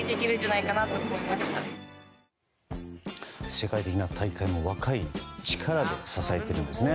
世界的な大会も若い力で支えているんですね。